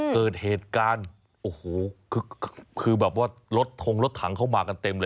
เกิดเหตุการณ์โอ้โหคือแบบว่ารถทงรถถังเข้ามากันเต็มเลย